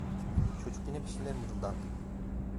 Çocuk yine bir şeyler mırıldandı.